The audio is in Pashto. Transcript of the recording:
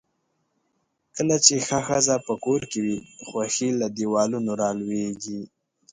کله چې ښه ښځۀ پۀ کور کې وي، خؤښي له دیوالونو را لؤیږي.